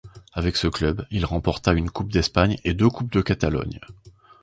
Avec ce club, il remporta une coupe d'Espagne et deux coupes de Catalogne.